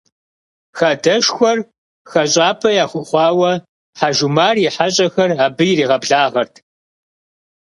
Хадэшхуэр хэщӏапӏэ яхуэхъуауэ, Хьэжумар и хьэщӏэхэр абы иригъэблагъэрт.